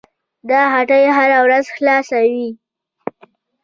دا هټۍ هره ورځ خلاصه وي.